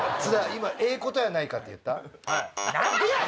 今「ええ事やないか」って言った？